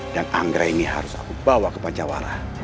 dan anggraini harus aku bawa ke panjawara